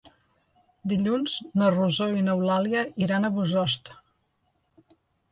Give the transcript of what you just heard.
Dilluns na Rosó i n'Eulàlia iran a Bossòst.